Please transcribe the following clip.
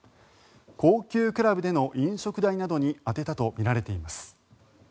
高級クラブでの飲食代などに充てたとみられています。